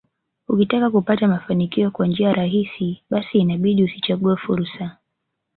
Ukitaka kupata mafanikio kwa njia rahisi basi inabidi usichague fursa